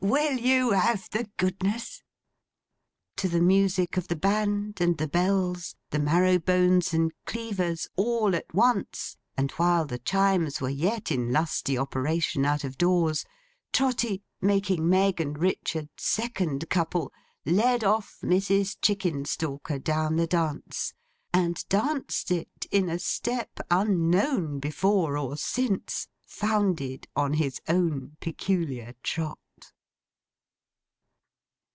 Will you have the goodness!' To the music of the band, and, the bells, the marrow bones and cleavers, all at once; and while the Chimes were yet in lusty operation out of doors; Trotty, making Meg and Richard, second couple, led off Mrs. Chickenstalker down the dance, and danced it in a step unknown before or since; founded on his own peculiar trot.